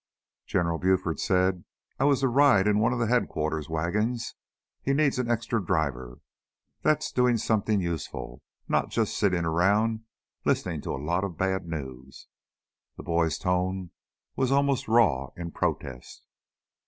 "General Buford said I was to ride in one of the headquarters wagons. He needs an extra driver. That's doin' something useful, not just sittin' around listenin' to a lot of bad news!" The boy's tone was almost raw in protest.